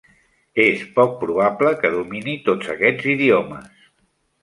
És poc probable que domini tots aquests idiomes.